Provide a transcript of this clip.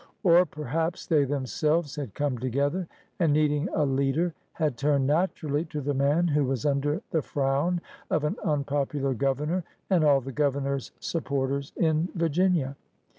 Or perhaps they them selves had come together and, needing a leader, had tinned naturally to the man who was under the frown of an unpopular Governor and all the Governor's supporters in Virginia.